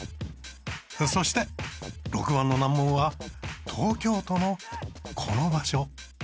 そして６番の難問は東京都のこの場所。